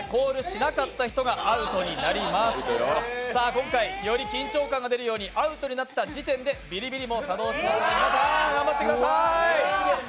今回より緊張感が出るようにアウトになった時点でビリビリも作動しますので、皆さん、頑張ってくださーい！